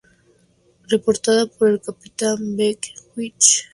Reportada por el capitán Beckwith de la nave "Victoria".